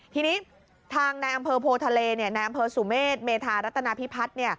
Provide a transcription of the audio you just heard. ทีนี้ทางนายอำเภอโพทะเลนายอำเภอสุเมษเมธารัตนาพิพัฒน์